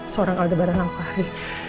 seorang aldabara langkari